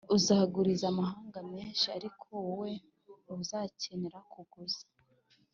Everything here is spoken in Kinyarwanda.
uzaguriza amahanga menshi ariko wowe ntuzakenera kuguza